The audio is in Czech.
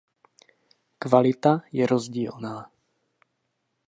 Kvalita je rozdílná.